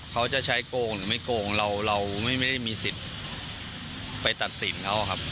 เขาจะใช้โกงหรือไม่โกงเราเราไม่ได้มีสิทธิ์ไปตัดสินเขาครับ